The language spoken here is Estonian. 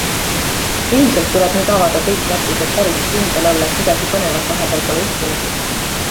Ilmselt tuleb nüüd avada kõik äpid, et päris kindel olla, et midagi põnevat vahepeal pole juhtunud.